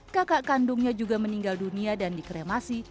kakak kandungnya juga meninggal dunia dan dikremasi